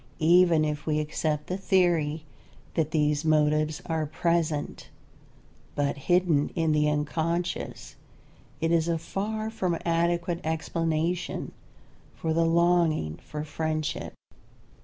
Even if we accept the theory that these motives are present, but hidden in the unconscious, it is a far from adequate explanation for the longing for friendship.